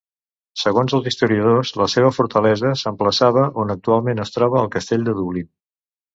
Segons els historiadors, la seva fortalesa s'emplaçava on actualment es troba el castell de Dublín.